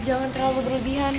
jangan terlalu berlebihan